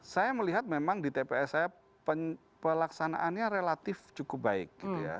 saya melihat memang di tps saya pelaksanaannya relatif cukup baik gitu ya